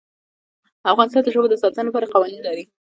افغانستان د ژبو د ساتنې لپاره قوانین لري.